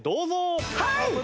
はい！